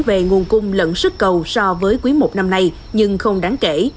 về nguồn cung lẫn sức cầu so với quý một năm nay nhưng không đáng kể